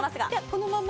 このまま。